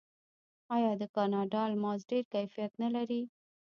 آیا د کاناډا الماس ډیر کیفیت نلري؟